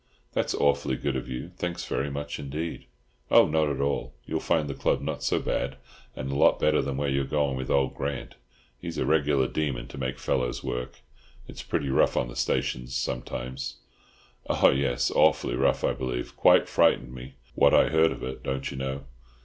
"That's awfully good of you. Thanks very much indeed." "Oh! not at all. You'll find the club not so bad, and a lot better than where you're going with old Grant. He's a regular demon to make fellows work. It's pretty rough on the stations sometimes." "Ah! yes; awf'lly rough, I believe. Quite frightened me, what I heard of it, don't you know.